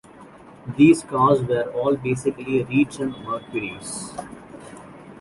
These cars were all basically retrimmed Mercurys.